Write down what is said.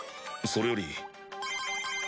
それより。